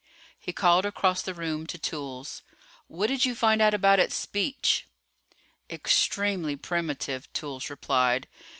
He called across the room to Toolls. "What did you find out about its speech?" "Extremely primitive," Toolls replied.